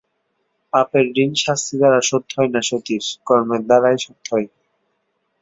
পাপের ঋণ শাস্তির দ্বারা শোধ হয় না সতীশ, কর্মের দ্বারাই শোধ হয়।